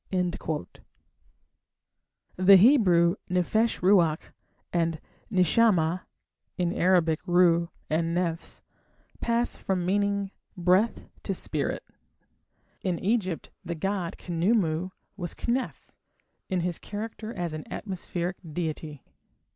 The Hebrew "nephesh ruach" and "neshamah" (in Arabic "ruh" and "nefs") pass from meaning "breath" to "spirit". In Egypt the god Khnumu was "Kneph" in his character as an atmospheric deity.